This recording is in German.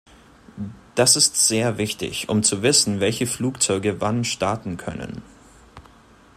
Das ist sehr wichtig, um zu wissen, welche Flugzeuge wann starten können.